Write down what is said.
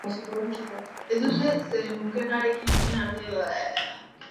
Ez duzue zeuenarekin irten arteko onik izaten!